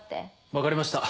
分かりました